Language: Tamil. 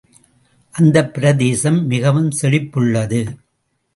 அந்தப் பிரதேசம் மிகவும் செழிப்புள்ளது.